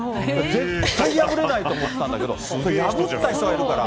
絶対破れないと思ってたんだけど、破った人がいるから。